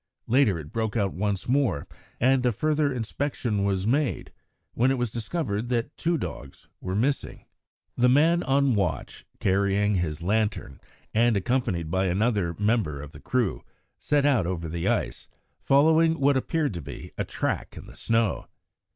Later it broke out once more, and a further inspection was made, when it was discovered that two dogs were missing. The man on watch, carrying his lantern, and accompanied by another member of the crew, set out over the ice, following what appeared to be a track in the snow.